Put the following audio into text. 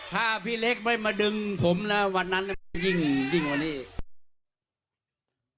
ถ้าพี่เล็กไม่มาดึงผมนะวันนั้นก็ยิ่งยิ่งกว่านี้